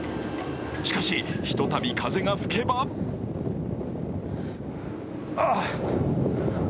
しかし、ひとたび風が吹けばああっ！